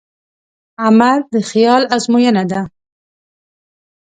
عمل د خیال ازموینه ده.